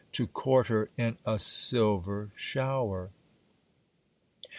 To court her in a silver shower.